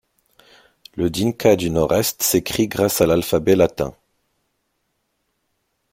Le dinka du Nord-Est s'écrit grâce à l'alphabet latin.